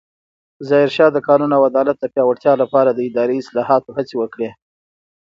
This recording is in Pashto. ظاهرشاه د قانون او عدالت د پیاوړتیا لپاره د اداري اصلاحاتو هڅې وکړې.